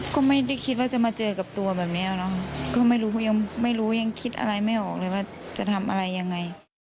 ก็ไม่ได้คิดว่าจะมาเจอกับตัวแบบนี้เนาะก็ไม่รู้ยังไม่รู้ยังคิดอะไรไม่ออกเลยว่าจะทำอะไรยังไง